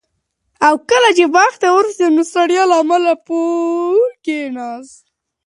کله چې باغ ته ورسېد نو د ستړیا له امله پر پوله کېناست.